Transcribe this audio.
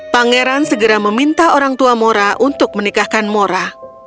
pangeran segera meminta orang tua mora untuk menikahkan mora